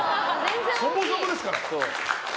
そもそもですから。